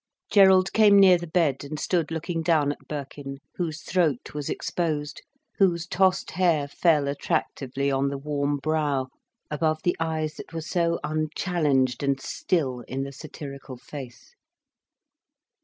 Gerald came near the bed and stood looking down at Birkin whose throat was exposed, whose tossed hair fell attractively on the warm brow, above the eyes that were so unchallenged and still in the satirical face.